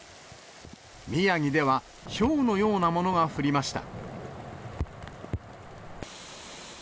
宮城ではひょうのようなものが降りました。